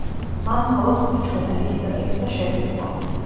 მან მხოლოდ გვიჩვენა, რისი გაკეთება შეგვეძლო.